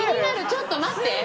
ちょっと待って！